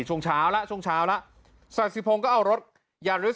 ช่วงเช้าแล้วช่วงเช้าแล้วสาธิปรงก็เอารถยาริด